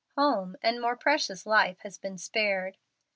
Home, and more precious life, have been spared.